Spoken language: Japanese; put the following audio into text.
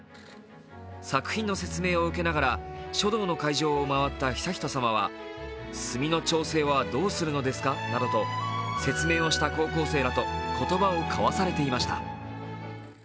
作品の説明を受けながら書道の会場を回った悠仁さまは墨の調整はどうするのですかなどと、説明をした高校生らと言葉を交わされていました。